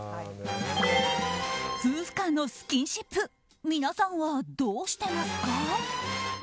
夫婦間のスキンシップ皆さんはどうしていますか？